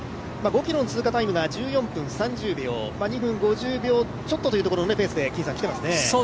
５ｋｍの通過タイムが１４分３０秒、２分５０秒ちょっとというところのペースできてますね。